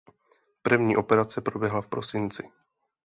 První operace proběhla v prosinci.